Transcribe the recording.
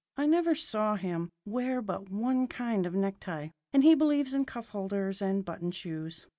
I never saw him wear but one kind of necktie, and he believes in cuff holders and button shoes.